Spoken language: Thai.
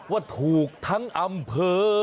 ว่าถูกทั้งอำเภอ